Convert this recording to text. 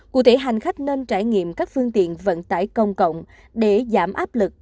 cụ thể hành khách nên trải nghiệm các phương tiện vận tải công cộng để giảm áp lực